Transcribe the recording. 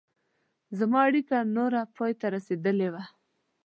زما اړیکه نوره پای ته رسېدلې وه.